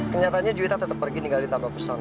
kenyataannya juwita tetap pergi tinggal di tanpa pesan